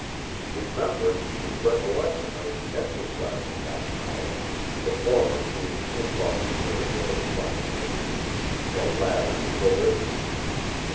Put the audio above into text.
Remembrance and Recollection are the exercise of that power, the former being involuntary or spontaneous, the latter volitional.